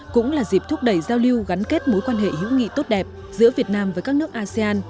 cũng là dịp thúc đẩy giao lưu gắn kết mối quan hệ hữu nghị tốt đẹp giữa việt nam với các nước asean